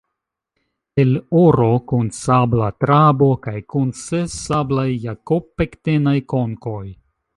El oro kun sabla trabo kaj kun ses sablaj jakob-pektenaj konkoj.